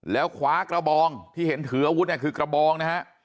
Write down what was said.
แล้วขวากระบองที่เห็นเหือวุฒิคือกระบองนะฮะ